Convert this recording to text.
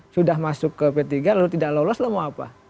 sudah masuk ke p tiga lalu tidak lolos lalu mau apa